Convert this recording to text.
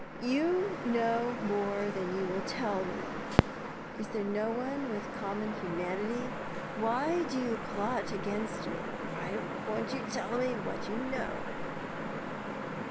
You know more than you will tell me. Is there no one with common humanity? Why do you plot against me? Why won't you tell me what you know?'